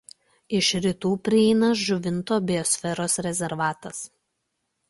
Iš rytų prieina Žuvinto biosferos rezervatas.